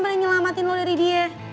yang nyelamatin lo dari dia